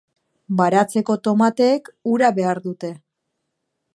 Baratzeko tomateek ura behar dute.